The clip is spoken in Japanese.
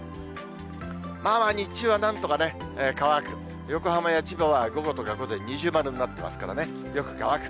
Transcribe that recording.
まあまあ、日中はなんとかね、乾く、横浜や千葉は午後とか午前、二重丸になってますからね、よく乾く。